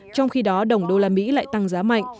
trong khi đó đồng đô la mỹ lại tăng giá mạnh